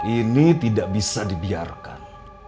ini tidak bisa dibiarkan